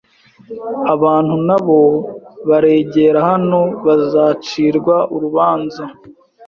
Abantu nabo baregera hano bazacirwa urubanza